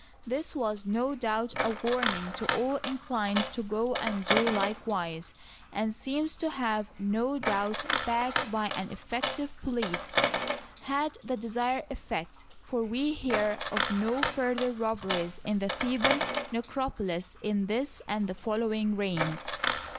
This was no doubt a warning to all inclined to go and do likewise, and seems to have, no doubt backed by an effective police, had the desired effect, for we hear of no further robberies in the Theban necropo lis in this and the following reigns.